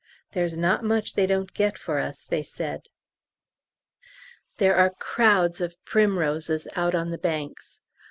"There's not much they don't get for us," they said. There are crowds of primroses out on the banks.